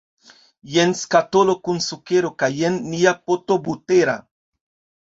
Jen skatolo kun sukero kaj jen nia poto butera.